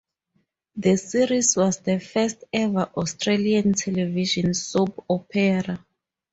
The series was the first ever Australian television soap opera.